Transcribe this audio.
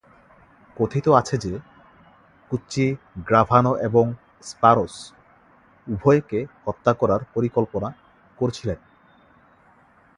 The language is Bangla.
কথিত আছে যে, কুচ্চি গ্রাভানো এবং স্পারোস উভয়কে হত্যা করার পরিকল্পনা করছিলেন।